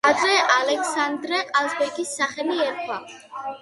ადრე ალექსანდრე ყაზბეგის სახელი ერქვა.